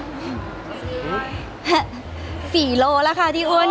คือบอกเลยว่าเป็นครั้งแรกในชีวิตจิ๊บนะ